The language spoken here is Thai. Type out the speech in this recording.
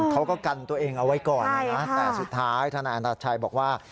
เขาก็กันตัวเองเอาไว้ก่อนนะแต่สุดท้ายธนายอันตชัยบอกว่า